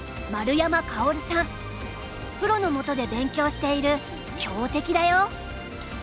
相手はプロの下で勉強している強敵だよ。